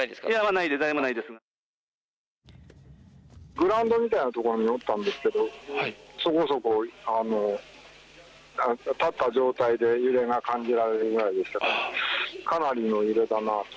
グラウンドみたいなところにおったんですけどそこそこ立った状態で、揺れが感じられるくらいでしたからかなりの揺れだなと。